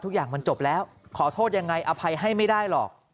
ทุกอย่างมันจบแล้วขอโทษยังไงอภัยให้ไม่ได้หรอก